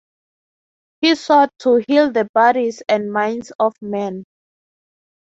He sought to heal the bodies and minds of men.